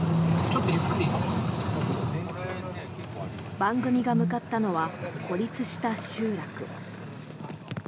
番組が向かったのは孤立した集落。